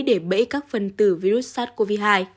để bẫy các phần tử virus sars cov hai